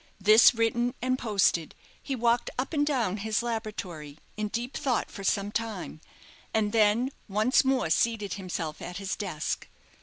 This written and posted, he walked up and down his laboratory, in deep thought for some time, and then once more seated himself at his desk.